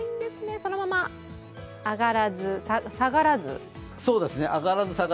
そのまま上がらず、下がらず。